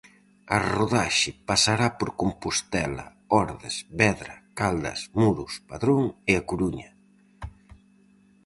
A rodaxe pasará por Compostela, Ordes, Vedra, Caldas, Muros, Padrón e A Coruña.